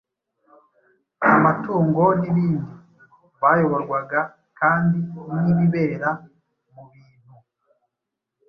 amatungo n’ibindi. Bayoborwaga kandi n’ibibera mu bintu